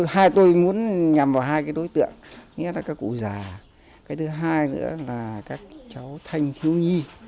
hai tôi muốn nhằm vào hai cái đối tượng nghĩa là các cụ già cái thứ hai nữa là các cháu thanh thiếu nhi